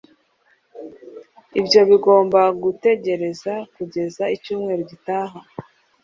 Ibyo bigomba gutegereza kugeza icyumweru gitaha